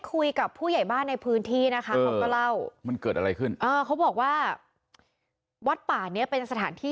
ก็เลยยังไม่แน่ใจว่ายังไง